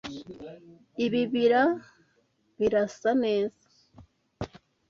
ibi bira birasa neza.